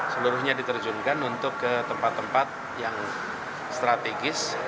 seluruhnya diterjunkan untuk ke tempat tempat yang strategis